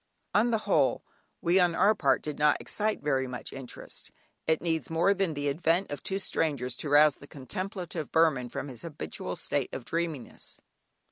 On the whole, we on our part did not excite very much interest. It needs more than the advent of two strangers to rouse the contemplative Burman from his habitual state of dreaminess.